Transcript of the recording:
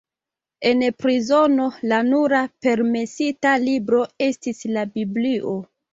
En prizono la nura permesita libro estis la Biblio.